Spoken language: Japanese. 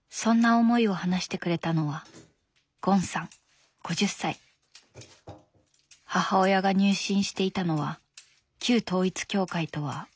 母親が入信していたのは旧統一教会とは別の教団だ。